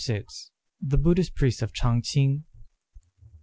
THE BUDDHIST PRIEST OF CH'ANG CH'ING.